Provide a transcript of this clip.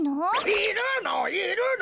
いるのいるの！